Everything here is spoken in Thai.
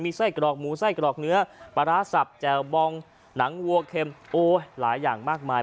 ไส้กรอกหมูไส้กรอกเนื้อปลาร้าสับแจ่วบองหนังวัวเค็มโอ้ยหลายอย่างมากมาย